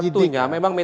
beliau ini kan jaksa